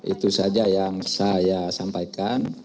itu saja yang saya sampaikan